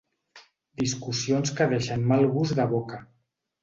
Discussions que deixen mal gust de boca.